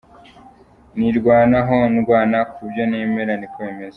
Nirwanaho, ndwana ku byo nemera, niko bimeze.